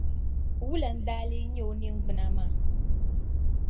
Wula n-daa leei nyɛ o ningbuna maa?